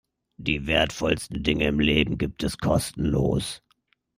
Die wertvollsten Dinge im Leben gibt es kostenlos.